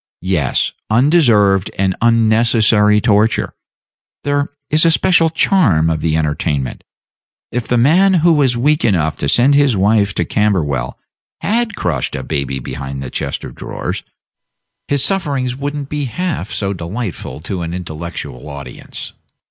Yes, undeserved and unnecessary torture there is the special charm of the entertainment. If the man who was weak enough to send his wife to Camberwell had crushed a baby behind a chest of drawers, his sufferings would n't be half so delightful to an intellectual audience.